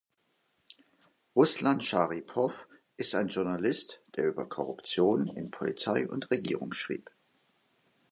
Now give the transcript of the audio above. Ruslan Scharipow ist ein Journalist, der über Korruption in Polizei und Regierung schrieb.